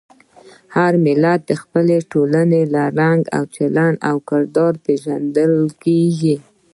هر ملت د خپلې ټولنې له رنګ، چلند او کردار پېژندل کېږي.